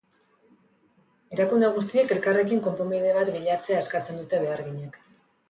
Erakunde guztiek elkarrekin konponbide bat bilatzea eskatzen dute beharginek.